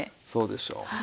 そうでしょう。